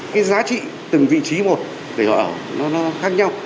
cái giá trị từng vị trí một về họ ở nó khác nhau